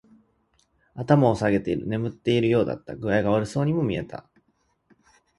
頭を下げている。眠っているようだった。具合が悪そうにも見えた。